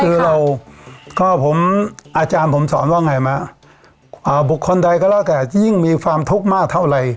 คือเราก็ผมอาจารย์ผมสอนว่าไงมั้ยบุคคลใดก็แล้วแต่ที่ยิ่งมีความทุกข์มากเท่าไร